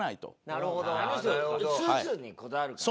あの人スーツにこだわるからね。